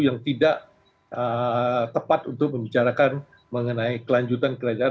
yang tidak tepat untuk membicarakan mengenai kelanjutan kerajaan